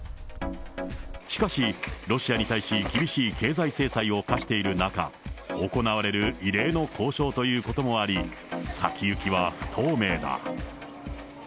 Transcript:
しかし、ロシアに対し厳しい経済制裁を科している中、行われる異例の交渉ということもあり、先行きは不透明だ。